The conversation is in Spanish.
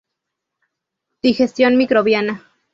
Digestión microbiana